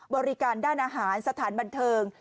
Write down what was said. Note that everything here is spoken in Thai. บริการด้านอาหารสถานบันเทิง